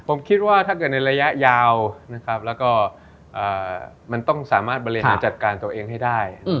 ผมคิดว่าถ้าเกิดในระยะยาวนะครับแล้วก็มันต้องสามารถบริหารจัดการตัวเองให้ได้